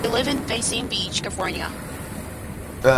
They live in Venice Beach, California.